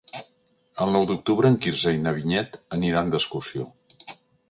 El nou d'octubre en Quirze i na Vinyet aniran d'excursió.